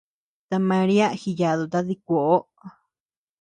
Ta María jiyaduta dikuoʼo.